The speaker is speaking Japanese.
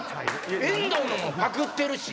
遠藤のもパクってるし。